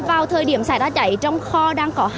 vào thời điểm xảy ra cháy trong kho đang có hai